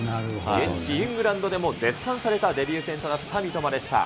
現地イングランドでも絶賛されたデビュー戦となった三笘でした。